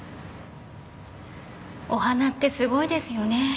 お花ってすごいですよね。